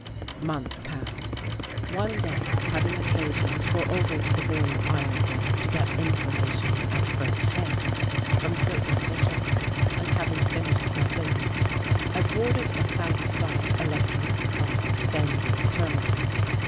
Months passed. One day, having occasion to go over to the Boyne Iron Works to get information at first hand from certain officials, and having finished my business, I boarded a South Side electric car standing at the terminal.